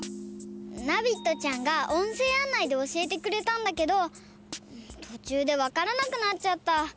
ナビットちゃんがおんせいあんないでおしえてくれたんだけどとちゅうでわからなくなっちゃった。